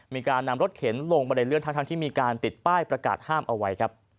มีการนำรถเข็นลงบันไดเลื่อนทั้งที่มีการติดป้ายประกาศห้ามเอาไว้ครับ